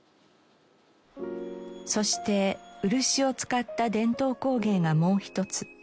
そして漆を使った伝統工芸がもうひとつ。